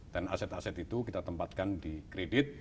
dan aset aset itu kita tempatkan di kredit